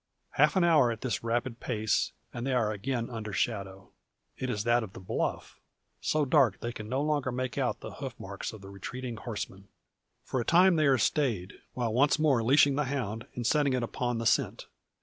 Half an hour at this rapid pace, and they are again under shadow. It is that of the bluff, so dark they can no longer make out the hoof marks of the retreating horseman. For a time they are stayed, while once more leashing the hound, and setting it upon the scent.